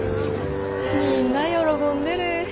みんな喜んでる。